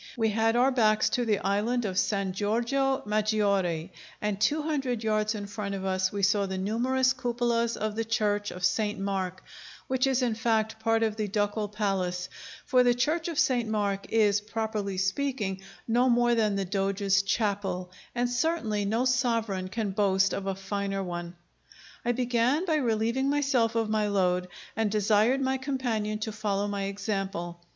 We had our backs to the island of San Giorgio Maggiore, and two hundred yards in front of us we saw the numerous cupolas of the church of Saint Mark, which is in fact part of the Ducal Palace; for the church of Saint Mark is, properly speaking, no more than the Doge's chapel, and certainly no sovereign can boast of a finer one. I began by relieving myself of my load, and desired my companion to follow my example.